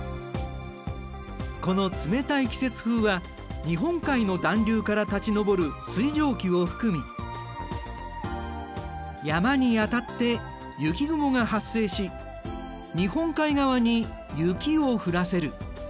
この冷たい季節風は日本海の暖流から立ちのぼる水蒸気を含み山に当たって雪雲が発生し日本海側に雪を降らせる。